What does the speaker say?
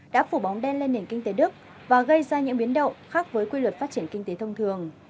đã phủ bóng đen lên nền kinh tế đức và gây ra những biến động khác với quy luật phát triển kinh tế thông thường